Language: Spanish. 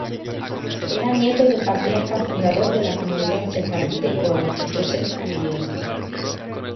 Era nieto del patriarca-fundador de la comunidad sefardí de Coro, Joseph Curiel.